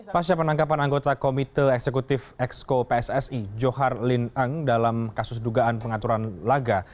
pasca penangkapan anggota komite eksekutif exco pssi johar lin eng dalam kasus dugaan pengaturan laga